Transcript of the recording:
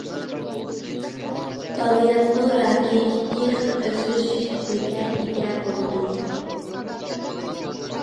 بالىياتقۇ راكى ئىككى خىل ئۆسۈش شەكلىگە ئىگە بولىدۇ.